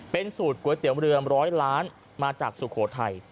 เป็นสูตรก๋วยเตี๋ยวเรือมร้อยล้านมาจากสุโขทัย